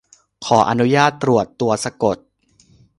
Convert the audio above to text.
ขออนุญาตตรวจตัวสะกด